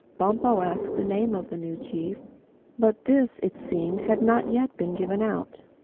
Bumpo asked the name of the new chief; but this, it seemed, had not yet been given out.